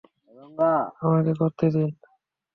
আমাকে করতে দিন।